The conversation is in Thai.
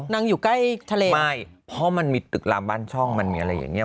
อยู่ใกล้ทะเลไม่เพราะมันมีตึกลามบ้านช่องมันมีอะไรอย่างเงี้